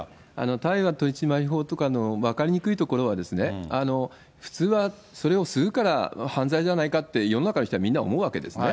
大麻取締法とかの分かりにくいところは、普通は、それを吸うから犯罪じゃないかって、世の中の人はみんな思うわけですね。